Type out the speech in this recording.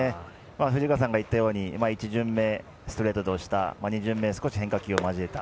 藤川さんが言ったように１巡目、ストレート２巡目、変化球を交えた。